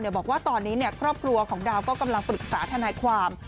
บอกว่าตอนนี้ครอบครัวของดาวก็กำลังปรึกษาทนายความ